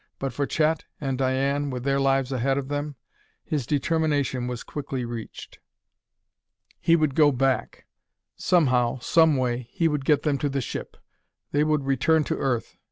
But for Chet, and Diane, with their lives ahead of them " His determination was quickly reached. He would go back. Somehow, some way, he would get them to the ship. They would return to Earth.